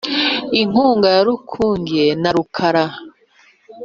inkungu ya rukuge na rukara,